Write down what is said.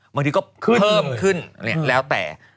บางทีก็เพิ่มขึ้นแล้วแต่